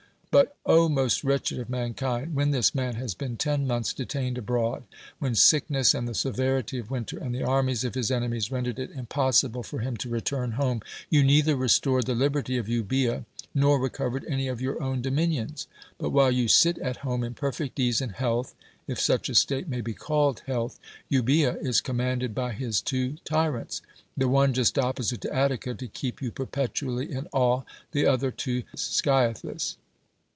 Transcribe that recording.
"But, most wretched of mankind! when this man has been ten months detained abroad; when sickness, and the severity of win ter, and the armies of his enemies rendered it impossible for him to return home, you neither restored the liberty of Euba?a nor recovered any of your own dominions. But while you sit at home in perfect ease and health (if such a state may be called health), Eubcea is commanded by his two tyrants; the one, just opposite to Attica, to keep you perpetually in awe ; the other to Scyathus.